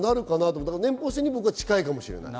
僕は年俸制に近いかもしれない。